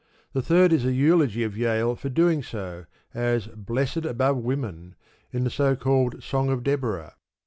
The third is the eulogy of Jael for doing so, as "blessed above women," in the so called Song of Deborah.